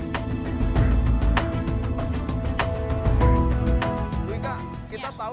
ibu ika kita tahu